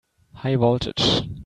High voltage!